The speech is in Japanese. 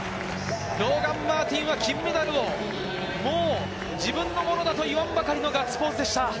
ローガン・マーティンは金メダルをもう自分のものだと言わんばかりのガッツポーズでした。